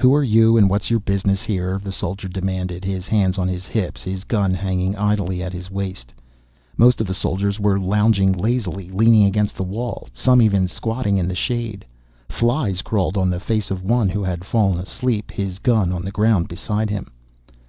"Who are you and what's your business here?" the soldier demanded, his hands on his hips, his gun hanging idly at his waist. Most of the soldiers were lounging lazily, leaning against the wall, some even squatting in the shade. Flies crawled on the face of one who had fallen asleep, his gun on the ground beside him.